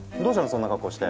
そんな格好して。